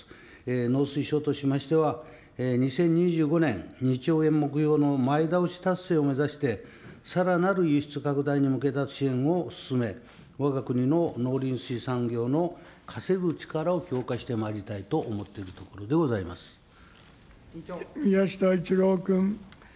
農水省としましては、２０２５年、２兆円目標の前倒し達成を目指して、さらなる輸出拡大に向けた支援を進め、わが国の農林水産業の稼ぐ力を強化してまいりたいと思っていると宮下一郎君。